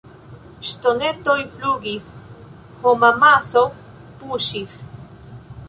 Ŝtonetoj flugis; homamaso puŝis.